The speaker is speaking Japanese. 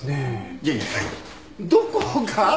いやいやいやどこが？